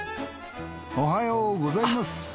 おはようございます。